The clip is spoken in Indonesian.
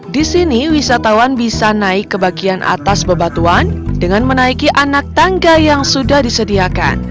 di sini wisatawan bisa naik ke bagian atas bebatuan dengan menaiki anak tangga yang sudah disediakan